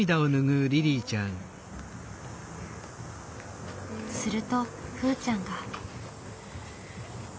するとふーちゃんが。